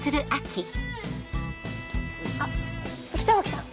あっ北脇さん